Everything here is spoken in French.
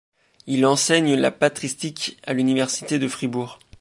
Il enseigne la patristique à l’université de Fribourg.